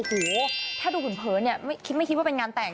โอ้โหถ้าดูเผินเนี่ยไม่คิดว่าเป็นงานแต่ง